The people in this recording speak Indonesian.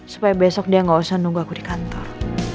supaya besok dia gak usah nunggu aku di kantor